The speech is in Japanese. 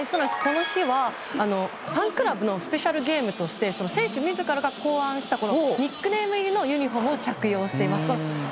この日はファンクラブのスペシャルゲームとして選手自らが考案したニックネーム入りのユニホームを着用しています。